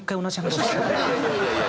いやいやいやいや。